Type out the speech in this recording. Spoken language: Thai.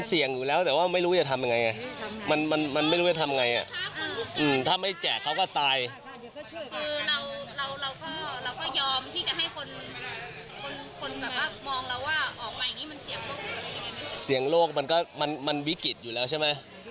เสียงโลกมันก็มันวิกฤตอยู่แล้วใช่ไหม